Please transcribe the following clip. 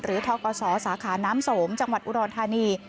หรือทกศสาขาน้ำสมจังหวัดอุรณฑานี